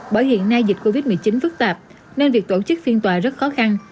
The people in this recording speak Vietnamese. bởi hiện nay dịch covid một mươi chín phức tạp nên việc tổ chức phiên tòa rất khó khăn